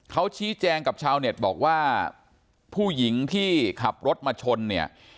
เขาชี้แจงกับชาวเน็ตบอกว่าผู้หญิงที่ขับรถมาชนเนี่ย